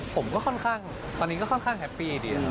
ผมก็ค่อนข้างตอนนี้ก็ค่อนข้างแฮปปี้ดี